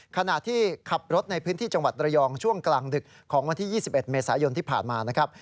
ขณะที่ขับรถในพื้นที่จังหวัดระยองช่วงกลางดึกของวันที่๒๑เมษายนที่ผ่านมานะครับ